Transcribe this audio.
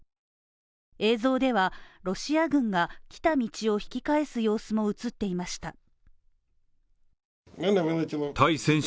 映像では、ロシア軍が来た道を引き返す様子も映っていました。